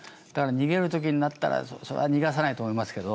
だから逃げるときになったら、それは逃がさないと思いますけど。